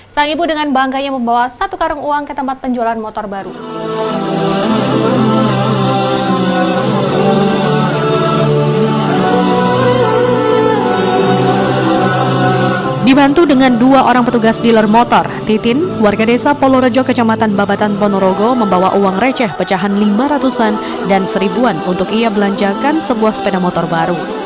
sang ibu dengan bangganya membawa satu karung uang ke tempat penjualan motor baru